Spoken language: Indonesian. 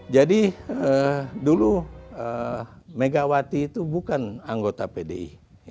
jadi dulu megawati itu bukan anggota pdi